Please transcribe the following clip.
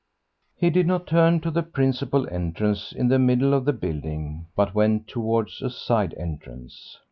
He did not turn to the principal entrance in the middle of the building, but went towards a side entrance.